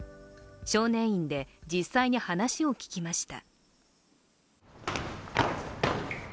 少年院で実際に話を聞きました。